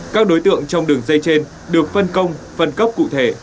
các đối tượng trong đường dây trên được phân công phân cấp cụ thể